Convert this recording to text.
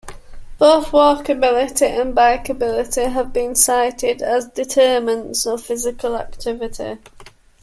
Both walkability and bikeability have been cited as determinants of physical activity.